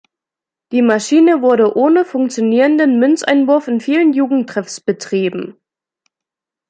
Die Maschine wurde ohne funktionierenden Münzeinwurf in vielen Jugendtreffs betrieben.